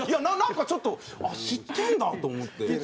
なんかちょっとあっ知ってんだと思って。